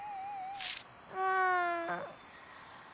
うん。